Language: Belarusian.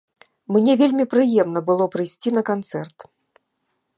Мне вельмі прыемна было прыйсці на канцэрт.